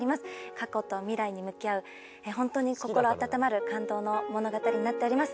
過去と未来に向き合うホントに心温まる感動の物語になっております。